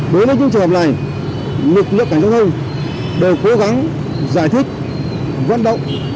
đối với những trường hợp này lực lượng cảnh sát thông đều cố gắng giải thích vấn động